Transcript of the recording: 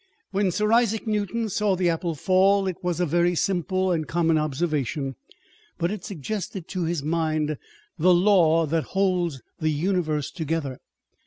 When Sir Isaac Newton saw the apple fall, it was a very simple and common observation, but it suggested to his mind the law that holds the universe together.